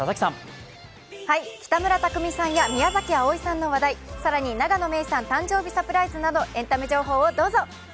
北村匠海さんや宮崎あおいさんの話題、更に永野芽郁さん、誕生日サプライズなどエンタメ情報をどうぞ。